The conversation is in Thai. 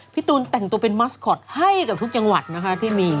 พี่ตูนแต่งตัวเป็นมัสคอตให้กับทุกจังหวัดนะคะที่มี